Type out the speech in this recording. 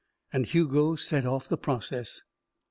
And Hugo set off the process.